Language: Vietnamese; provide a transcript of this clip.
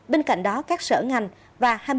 bên cạnh đó các sở ngành và